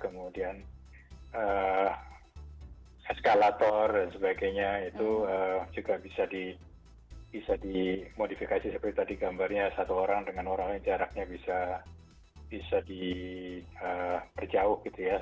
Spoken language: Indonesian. kemudian eskalator dan sebagainya itu juga bisa dimodifikasi seperti tadi gambarnya satu orang dengan orang yang jaraknya bisa diperjauh gitu ya